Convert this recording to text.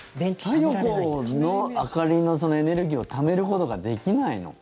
太陽光の明かりのエネルギーをためることができないの？